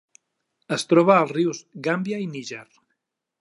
Es troba als rius Gàmbia i Níger.